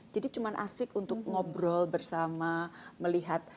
jadi cuma asik untuk ngobrol bersama melihat